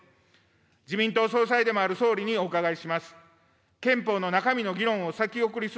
自民党総裁でもある総理にお伺いします。